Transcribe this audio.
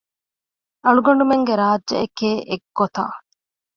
އަޅުގަނޑުމެންގެ ރާއްޖެއެކޭ އެއްގޮތަށް